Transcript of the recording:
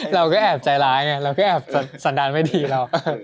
เราก็แอบใจร้ายไงเราก็แอบสันดารไม่ดีหรอก